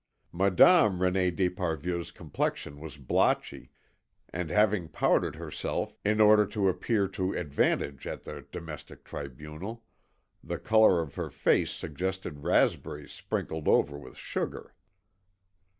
Madame René d'Esparvieu's complexion was blotchy, and having powdered herself in order to appear to advantage at the domestic tribunal, the colour of her face suggested raspberries sprinkled over with sugar.